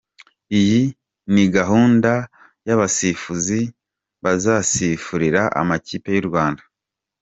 Iyi ni gahunda y’abasifuzi bazasifurira amakipe y’u Rwanda.